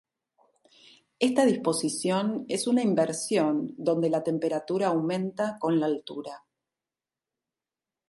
Esta disposición es una inversión donde la temperatura aumenta con la altura.